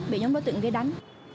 bị nhóm đối tượng kia đánh